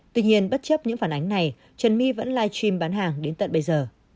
tuy nhiên bất chấp những phản ánh này trần my vẫn live stream bán hàng đến tận bây giờ